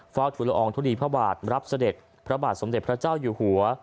ทุลอองทุลีพระบาทรับเสด็จพระบาทสมเด็จพระเจ้าอยู่หัว